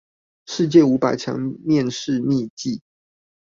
世界五百強面試秘笈